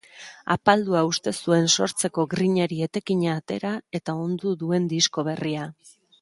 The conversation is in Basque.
Apaldua uste zuen sortzeko grinari etekina atera eta ondu duen disko berria.